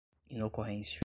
inocorrência